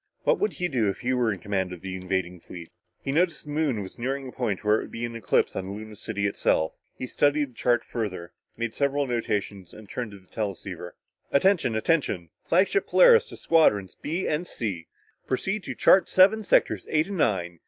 What would he do if he were in command of the invading fleet? He noticed the Moon was nearing a point where it would be in eclipse on Luna City itself. He studied the chart further, made several notations and turned to the teleceiver. "Attention attention flagship Polaris to Squadrons B and C proceed to chart seven sectors eight and nine.